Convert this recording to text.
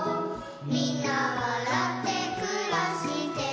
「みんなわらってくらしてる」